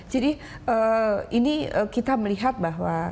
jadi ini kita melihat bahwa